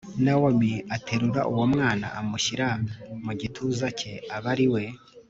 Nawomi aterura uwo mwana amushyira mu gituza cye aba ari we